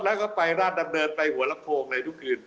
แล้วก็ไปราชดำเนินไปหัวลำโพงในทุกคืน